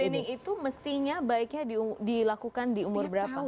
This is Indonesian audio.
screening itu mestinya baiknya dilakukan di umur berapa